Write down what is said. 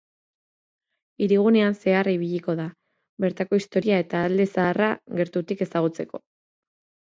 Hirigunean zehar ibiliko da, bertako historia eta alde zaharra gertutik ezagutzeko.